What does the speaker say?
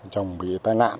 chồng bị tai nạn